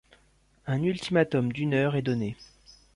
Un ultimatum d'une heure est donné.